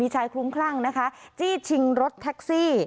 มีสายคลุ้งคลั่งจี้ชิงลดแท็กซี่